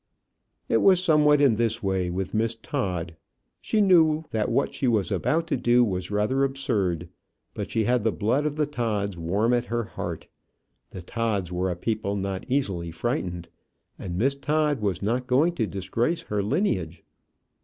It was somewhat in this way with Miss Todd. She knew that what she was about to do was rather absurd, but she had the blood of the Todds warm at her heart. The Todds were a people not easily frightened, and Miss Todd was not going to disgrace her lineage.